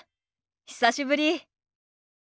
久しぶり。